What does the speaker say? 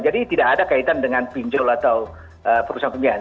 jadi tidak ada kaitan dengan pinjol atau perusahaan pembiayaan